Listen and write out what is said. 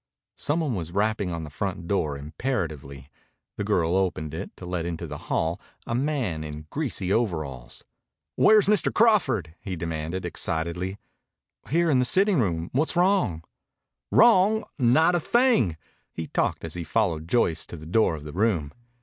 Some one was rapping on the front door imperatively. The girl opened it, to let into the hall a man in greasy overalls. "Where's Mr. Crawford?" he demanded excitedly. "Here. In the sitting room. What's wrong?" "Wrong! Not a thing!" He talked as he followed Joyce to the door of the room.